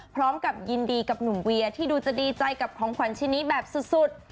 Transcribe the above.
พร้อมกับยินดีกับหนุ่มเวียที่ดูจะดีใจกับของขวัญชิ้นนี้แบบสุด